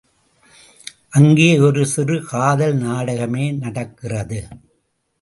அங்கே ஒரு சிறு காதல் நாடகமே நடக்கிறது.